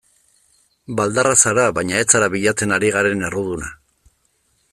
Baldarra zara baina ez zara bilatzen ari garen erruduna.